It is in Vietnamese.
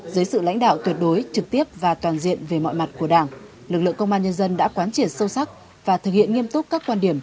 dưới sự lãnh đạo tuyệt đối trực tiếp và toàn diện về mọi mặt của đảng lực lượng công an nhân dân đã quán triệt sâu sắc và thực hiện nghiêm túc các quan điểm